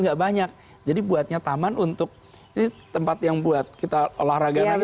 nggak banyak jadi buatnya taman untuk tempat yang buat kita olahraga nanti